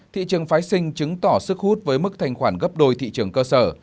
thị trường phái sinh chứng tỏ sức hút với mức thanh khoản gấp đôi thị trường cơ sở